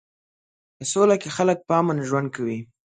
په سوله کې خلک په امن ژوند کوي.